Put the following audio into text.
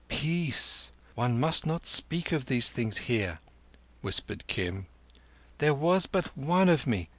"Peace. One must not speak of these things here," whispered Kim. "There was but one of me.